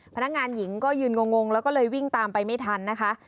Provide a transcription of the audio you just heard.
พนักงานหญิงก็ยืนงงแล้วก็เลยวิ่งตามไปไม่ทันนะคะ